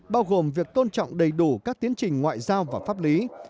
bao gồm việc tôn trọng đầy đủ các tiến trình ngoại giao và pháp lý